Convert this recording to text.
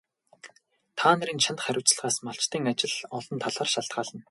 Та нарын чанд хариуцлагаас малчдын ажил олон талаар шалтгаална.